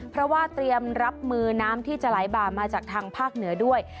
เพราะว่าเตรียมรับมือน้ำที่จะไหลบ่ามาจากทางภาคเหนือด้วย